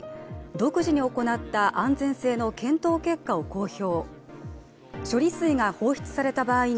独自に行った安全性の検討結果を公表。